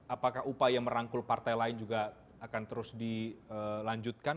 apakah upaya merangkul partai lain juga akan terus dilanjutkan